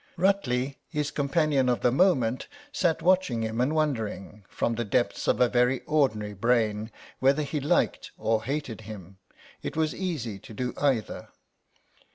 Rutley, his companion of the moment, sat watching him and wondering, from the depths of a very ordinary brain, whether he liked or hated him; it was easy to do either.